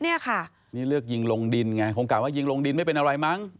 นี่ค่ะนี่เลือกยิงลงดินไงคงกะว่ายิงลงดินไม่เป็นอะไรมั้ง